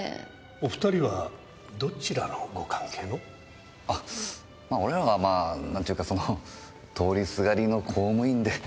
お２人はどちらのご関係の？あ俺らはまぁ何て言うかその通りすがりの公務員で。